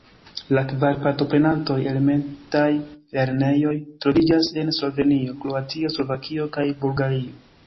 La kvar partoprenontaj elementaj lernejoj troviĝas en Slovenio, Kroatio, Slovakio kaj Bulgario.